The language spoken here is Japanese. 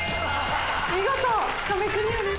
見事壁クリアです。